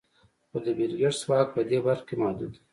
خو د بېل ګېټس واک په دې برخه کې محدود دی.